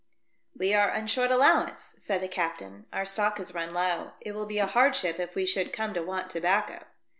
I 27 We are on short allowance," said the captain. "Our stock has run low. It will be a hardship if we should come to want tobacco."